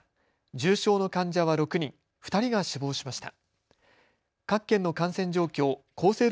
重症の患者は６人、２人が死亡しました。